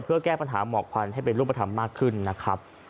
เพื่อแก้ปัญหาหมอกควันให้เป็นรูปธรรมมากขึ้นนะครับ